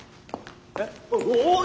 えっ？おい！